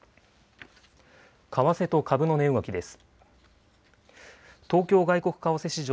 為替と株の値動きです。